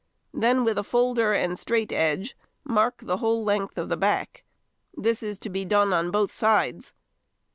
Then with a folder and straight edge mark the whole length of the back: this is to be done on both sides.